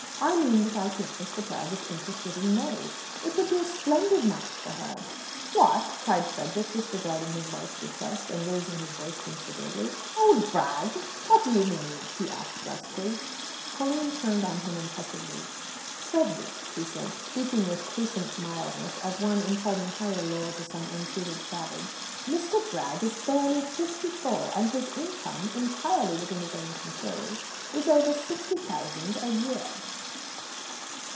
I mean that I think Mr. Bragg is interested in May. It would be a splendid match for her." "What?" cried Frederick, disregarding his wife's request, and raising his voice considerably. "Old Bragg!" Pauline turned on him impressively. "Frederick," she said, speaking with patient mildness, as one imparting higher lore to some untutored savage, "Mr. Bragg is barely fifty four; and his income entirely within his own control is over sixty thousand a year."